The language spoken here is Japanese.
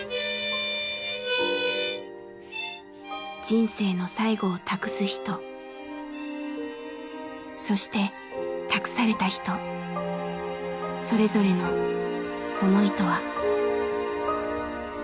人生の最期を託す人そして託された人それぞれの思いとは。